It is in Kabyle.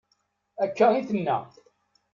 Akka i d-tenna.